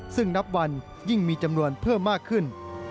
ซึ่งนับวันยิ่งมีจำนวนเพิ่มมากขึ้น